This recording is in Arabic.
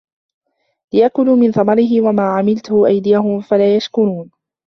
لِيَأكُلوا مِن ثَمَرِهِ وَما عَمِلَتهُ أَيديهِم أَفَلا يَشكُرونَ